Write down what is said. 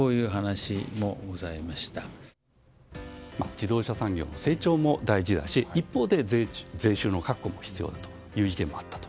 自動車産業の成長も大事だし一方で税収の確保も必要だという意見もあったと。